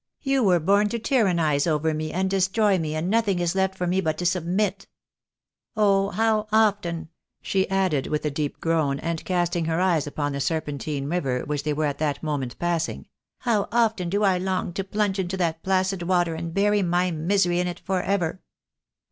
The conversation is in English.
You were born to tyrannise over me, and destroy me, and nothing is left for me but to submit. Oh ! how often," she added, with a deep groan, and casting her eyes upon the Serpentine Kiver, ■which they were at that moment passing, " how often do I long to plunge into that placid water, and bury my misery in it for ever."